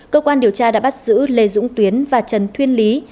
cơ quan điều tra đã bắt giữ lê dũng tuyến và trần thuyên lý